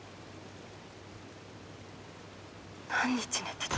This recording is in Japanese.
何日寝てた？